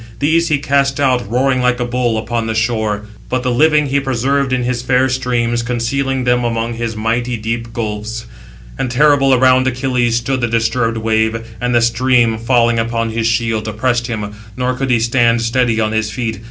These he cast out, roaring like a bull, upon the shore; but the living he preserved in his fair streams, concealing them among his mighty deep gulfs. And terrible around Achilles stood the disturbed wave, and the stream, falling upon his shield, oppressed him, nor could he stand steady on his feet.